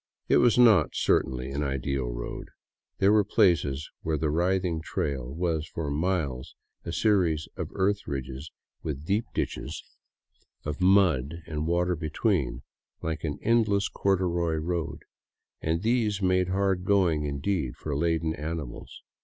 It was not, certainly, an ideal road. There were places where the writhing trail was for miles a series of earth ridges with deep ditches 181 VAGABONDING DOWN THE ANDES of mud and water between, like an endless corduroy road, and these made hard going indeed for laden animals.